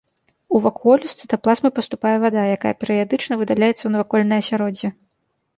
У вакуолю з цытаплазмы паступае вада, якая перыядычна выдаляецца ў навакольнае асяроддзе.